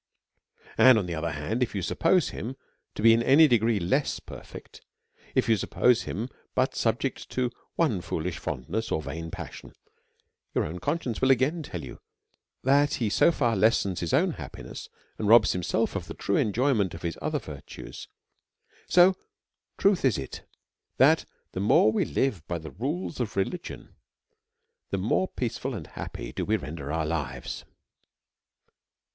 And, on the other hand, if you suppose him to be in any degree less perfect ; if you suppose him but sub ject to one foolish fondness, or vain passion, your own conscience will again tell you, that he so far lessens his own happiness, and robs himself of the true enjoy ment of his other virtues. So true it is, that the more we live by the rules of religion, the more peaceful and happy do we render our lives.